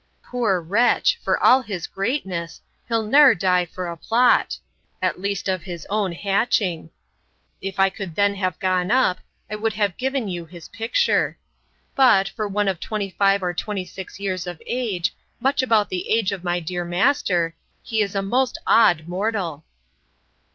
Poor wretch! for all his greatness! he'll ne'er die for a plot—at least of his own hatching. If I could then have gone up, I would have given you his picture. But, for one of 25 or 26 years of age, much about the age of my dear master, he is a most odd mortal.